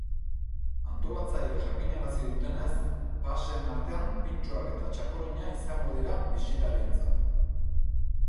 Antolatzaileek jakinarazi dutenez, paseen artean pintxoak eta txakolina izango dira bisitarientzat.